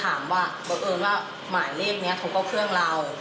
คุณไปกู้เงินธนาคารกรุงไทย